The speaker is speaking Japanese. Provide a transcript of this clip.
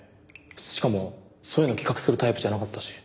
しかもそういうの企画するタイプじゃなかったし。